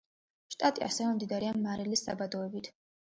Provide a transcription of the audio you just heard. შტატი ასევე მდიდარია მარილის საბადოებით.